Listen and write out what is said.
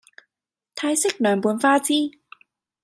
泰式涼拌花枝